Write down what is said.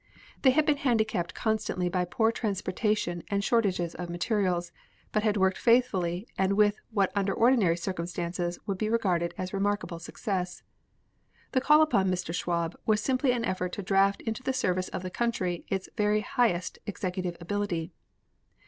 They had been handicapped constantly by poor transportation and shortage of materials, but had worked faithfully and with what under ordinary circumstances would be regarded as remarkable success. The call upon Mr. Schwab was simply an effort to draft into the service of the country its very highest executive ability.